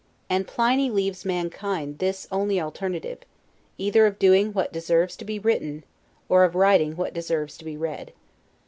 And Pliny leaves mankind this only alternative; either of doing what deserves to be written, or of writing what deserves to be read.